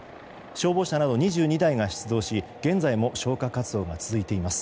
消防車など２２台が出動し現在も消火活動が続いています。